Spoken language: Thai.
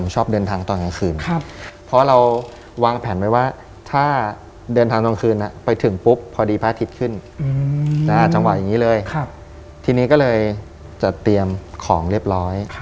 จังหวัยอย่างนี้เลยทีนี้ก็เลยจะเตรียมของเรียบร้อย